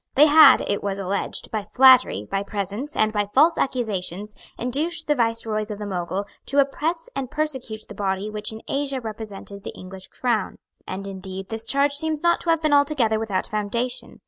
They had, it was alleged, by flattery, by presents, and by false accusations, induced the viceroys of the Mogul to oppress and persecute the body which in Asia represented the English Crown. And indeed this charge seems not to have been altogether without foundation.